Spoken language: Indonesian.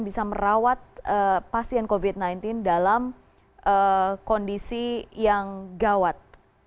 bisa merawat pasien covid sembilan belas dalam kondisi yang gawat